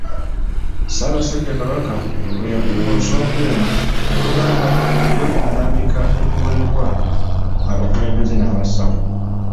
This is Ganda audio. Ssaasabasajja Kabaka bwe yali ku nsonga eno, yatugamba tugendere ku nnambika etuweebwa abakulembeze n'abasawo.